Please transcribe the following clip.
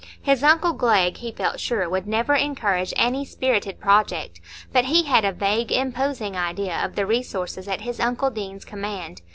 His uncle Glegg, he felt sure, would never encourage any spirited project, but he had a vague imposing idea of the resources at his uncle Deane's command.